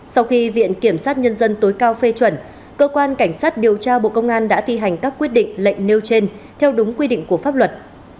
sau khi viện kiểm sát nhân dân tối cao phê chuẩn cơ quan cảnh sát điều tra bộ công an đã thi hành các quyết định lệnh nêu trên theo đúng quy định của pháp luật